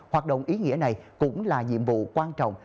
hoạt động ý nghĩa này cũng là nhiệm vụ quan trọng